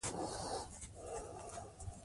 دارسي او ونت وُرث نومونه د واقعي کسانو په نامه وو.